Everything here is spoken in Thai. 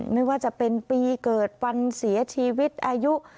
ไม่ว่าจะเป็นปีเกิดวันเสียชีวิตอายุ